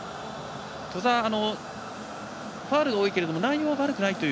兎澤、ファウルは多いけれども内容は悪くないという。